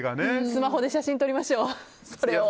スマホで写真を撮りましょう。